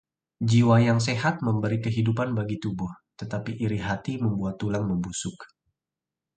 Jiwa yang sehat memberi kehidupan bagi tubuh, tetapi iri hati membuat tulang membusuk.